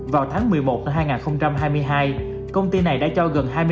vào tháng một mươi một hai nghìn hai mươi hai công ty này đã chọn một lĩnh vực sản xuất dày